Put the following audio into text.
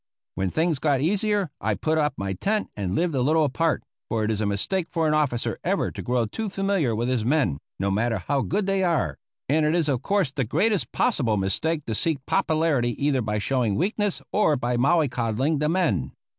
When things got easier I put up my tent and lived a little apart, for it is a mistake for an officer ever to grow too familiar with his men, no matter how good they are; and it is of course the greatest possible mistake to seek popularity either by showing weakness or by mollycoddling the men.